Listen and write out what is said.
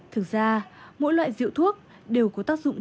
thực ra mỗi loại rượu thuốc đều có tác dụng